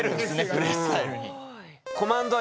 プレースタイルに。